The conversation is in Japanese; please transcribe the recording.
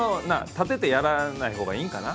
立ててやらないほうがいいんかな。